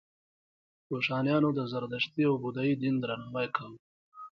کوشانیانو د زردشتي او بودايي دین درناوی کاوه